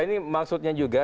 ini maksudnya juga